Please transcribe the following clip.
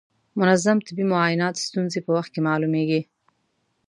منظم طبي معاینات ستونزې په وخت کې معلوموي.